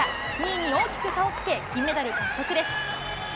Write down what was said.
２位に大きく差をつけ、金メダル獲得です。